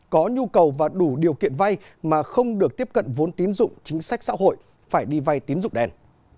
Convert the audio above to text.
có nhu cầu và đủ điều kiện vay mà không được tiếp cận vốn tín dụng chính sách xã hội phải đi vay tín dụng đèn